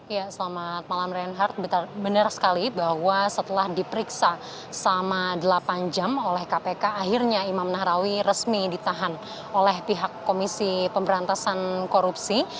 ya selamat malam reinhardt benar sekali bahwa setelah diperiksa selama delapan jam oleh kpk akhirnya imam nahrawi resmi ditahan oleh pihak komisi pemberantasan korupsi